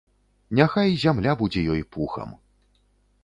Няхай зямля будзе ёй пухам!